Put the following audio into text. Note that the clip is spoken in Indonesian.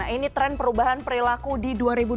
ini tren perubahan perilaku di dua ribu dua puluh